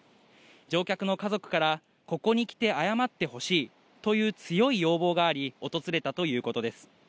乗客の家族から、ここに来て謝ってほしいという強い要望があり訪れたということです。